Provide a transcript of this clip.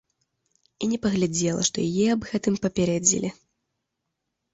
І не паглядзела, што яе аб гэтым папярэдзілі.